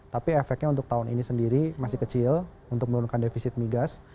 tapi efeknya untuk tahun ini sendiri masih kecil untuk menurunkan defisit migas